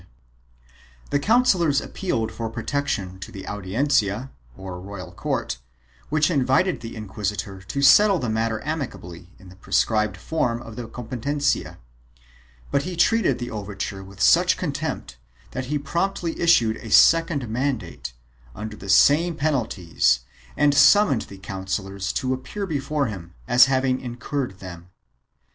Ill] BILLETING TROOPS 397 The councillors appealed for protection to the Audiencia, or royal court, which invited the inquisitor to settle the matter amicably in the prescribed form of a competencia, but he treated the overture with such contempt that he promptly issued a second mandate, under the same penalties, and summoned the councillors to appear before him as having incurred them.